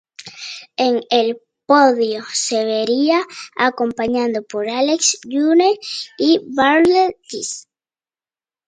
En el podio se vería acompañado por Alex Zülle y Bjarne Riis.